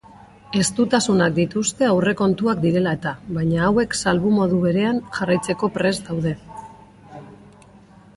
Estutasunak dituzte aurrekontuak direla eta baina hauek salbu modu berean jarraitzeko prest daude.